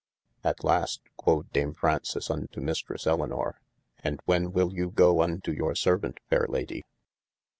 At last (quod Dame Fraunces unto Mistresse Elinor) and when will you goe unto your servaunt fayre Lady